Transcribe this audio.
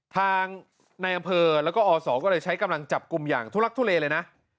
ทางในอำเภอแล้วก็อศก็เลยใช้กำลังจับกลุ่มอย่างทุลักทุเลเลยนะ